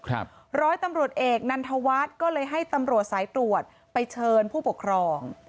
ร้อยตำรวจเอกนันทวัฒน์ก็เลยให้ตำรวจสายตรวจไปเชิญผู้ปกครอง